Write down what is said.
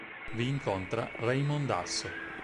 Vi incontra Raymond Asso.